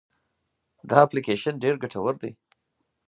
دا اپلیکیشن ډېر ګټور دی.